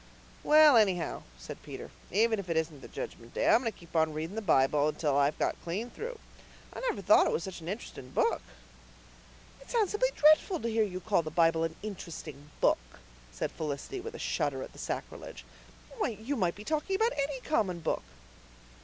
"Well, anyhow," said Peter, "even if it isn't the Judgment Day I'm going to keep on reading the Bible until I've got clean through. I never thought it was such an int'resting book." "It sounds simply dreadful to hear you call the Bible an interesting book," said Felicity, with a shudder at the sacrilege. "Why, you might be talking about ANY common book."